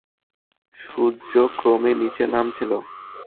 সূর্য ক্রমে নিচে নামছিল।